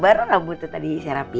baru rambutnya tadi saya rapiin